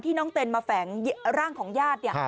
ที่น้องเต็นมาแฝงร่างของญาติ